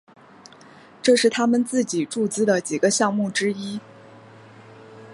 这是他们自己注资的几个项目之一。